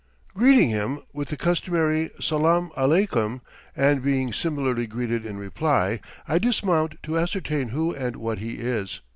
Greeting him with the customary "Salaam aleykum" and being similarly greeted in reply, I dismount to ascertain who and what he is.